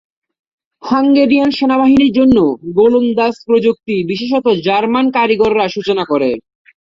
Hungarian সেনাবাহিনীর জন্য গোলন্দাজ প্রযুক্তি বিশেষত জার্মান কারিগররা সূচনা করে।